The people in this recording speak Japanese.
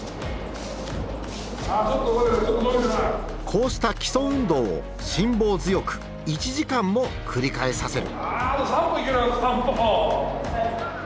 こうした基礎運動を辛抱強く１時間も繰り返させる。